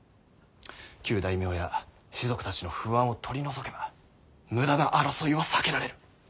旧大名や士族たちの不安を取り除けば無駄な争いは避けられる。